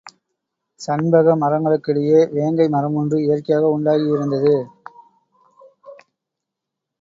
சண்பக மரங்களுக்கிடையே வேங்கை மரமொன்று இயற்கையாக உண்டாகியிருந்தது.